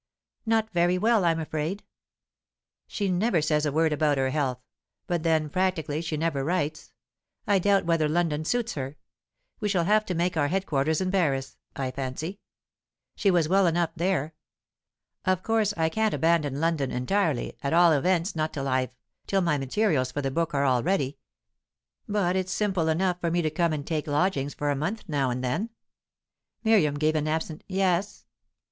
"Not very well, I'm afraid." "She never says a word about her health. But then, practically, she never writes. I doubt whether London suits her. We shall have to make our head quarters in Paris, I fancy; she was always well enough there. Of course I can't abandon London entirely; at all events, not till I've till my materials for the book are all ready; but it's simple enough for me to come and take lodgings for a month now and then." Miriam gave an absent "Yes."